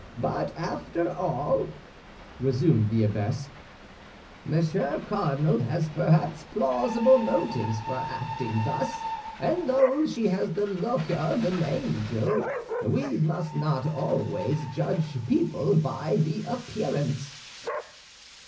But after all," resumed the abbess, "Monsieur Cardinal has perhaps plausible motives for acting thus; and though she has the look of an angel, we must not always judge people by the appearance."